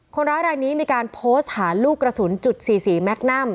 คนร้ายรายนี้มีการโพสต์หาลูกกระสุนจุด๔๔แมคนัม